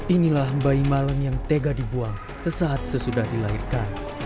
inilah bayi malang yang tega dibuang sesaat sesudah dilahirkan